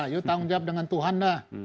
ya tanggung jawab dengan tuhan dah